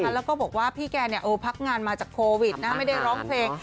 แล้วก็บอกว่าพี่แกเนี่ยเออพักงานมาจากโควิดนะไม่ได้ร้องเฟย์